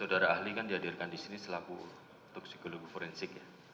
saudara adli kan dihadirkan di sini selaku untuk psikologi forensik ya